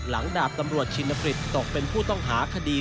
ดาบตำรวจชินกฤษตกเป็นผู้ต้องหาคดี